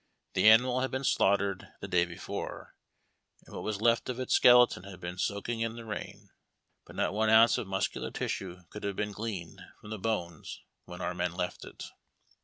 The animal had been slaughtered the day before, and what was left of its skeleton had been soaking in the rain, but not one ounce of muscular tissue could have been gleaned from the bones when our men left it.